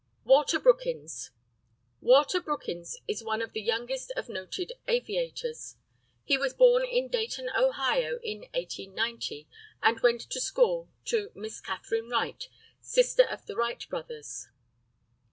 WALTER BROOKINS. WALTER BROOKINS is one of the youngest of noted aviators. He was born in Dayton, Ohio, in 1890, and went to school to Miss Katherine Wright, sister of the Wright brothers.